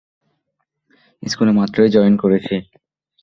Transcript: স্কুলে মাত্রই জয়েন করেছি।